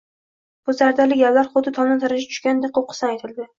Bu zardali gaplar xuddi tomdan tarasha tushganday qo‘qqisdan aytildi